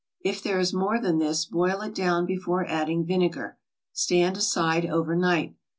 If there is more than this, boil it down before adding vinegar. Stand aside over night.